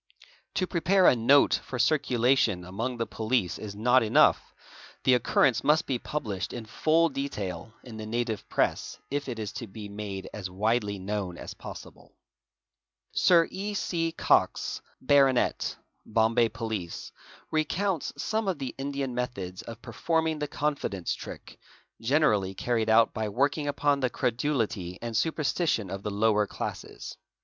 To prepare a note for circulation among the police is not enough, the occurrence must be published in full detail in the native — press if it is to be made as widely known as possible "®), Sir H.C. Cox, Bart. (Bombay Police) recounts some of the Indian methods of performing the confidence trick, generally carried out by work ing upon the credulity and superstition of the lower classes.